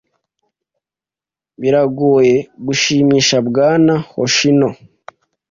Biragoye gushimisha Bwana Hoshino.